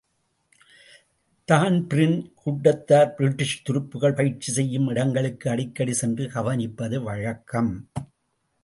Dan Breen கூட்டத்தார் British துருப்புக்கள் பயிற்சி செய்யும் இடங்களுக்கு அடிக்கடி சென்று கவனிப்பது வழக்கம்.